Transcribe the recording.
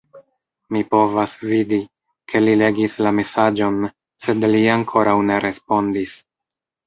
Mi povas vidi, ke li legis la mesaĝon, sed li ankoraŭ ne respondis.